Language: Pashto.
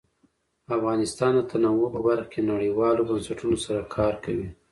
افغانستان د تنوع په برخه کې نړیوالو بنسټونو سره کار کوي.